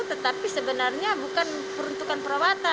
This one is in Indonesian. tetapi sebenarnya bukan peruntukan perawatan